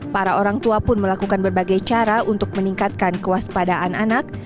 para orang tua pun melakukan berbagai cara untuk meningkatkan kewaspadaan anak